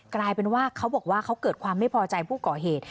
กลายเป็นว่าเขาบอกว่าเขาเกิดความไม่พอใจผู้ก่อเหตุ